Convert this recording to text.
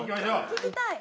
聴きたい。